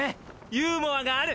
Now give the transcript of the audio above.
ユーモアがある！